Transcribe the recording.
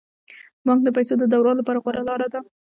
بانک د پيسو د دوران لپاره غوره لاره ده.